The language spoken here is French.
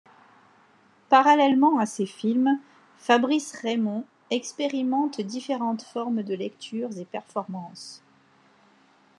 Parallèlement à ses films, Fabrice Reymond expérimente différentes formes de lectures et performances.